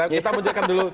kita menjelaskan dulu